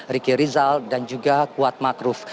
ricky rizal dan juga kuatmakruf